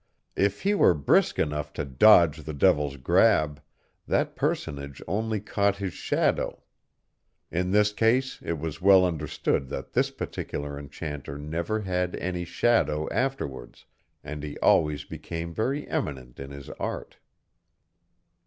If he were brisk enough to dodge the devil's grab, that personage only caught his shadow. In this case it was well understood that this particular enchanter never had any shadow afterwards, and he always became very eminent in his art.